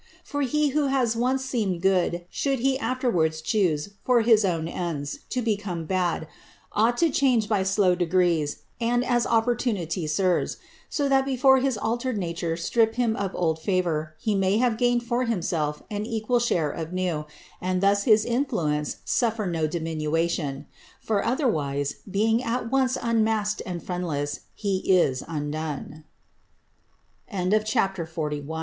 For he who has once seemed good, should he afterwards choose, for his own ends, to become bad, ought to change by slow degrees, and as opportunity serves; so that before his altered nature strip him of old favour, he may have gained for himself an equal share of new, and thus his influence suffer no diminution. For otherwise, being at once unmasked and friendless, he is undone: CHAPTER XLII.—_How easily